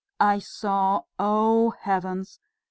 I saw oh, heavens!